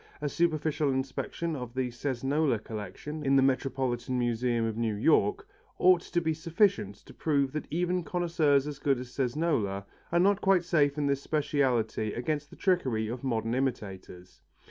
A superficial inspection of the Cesnola collection in the Metropolitan Museum of New York, ought to be sufficient to prove that even connoisseurs as good as Cesnola, are not quite safe in this speciality against the trickery of modern imitators.